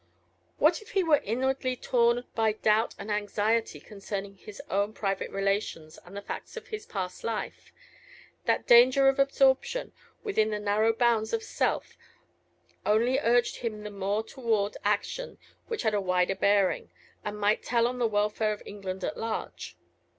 What if he were inwardly torn by doubt and anxiety concerning his own private relations and the facts of his past life? That danger of absorption within the narrow bounds of self only urged him the more toward action which had a wider bearing, and might tell on the welfare of England at large.